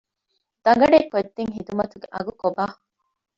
ދަގަނޑޭ ކޮށްދިން ހިދުމަތުގެ އަގު ކޮބާ؟